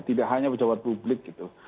tidak hanya pejabat publik gitu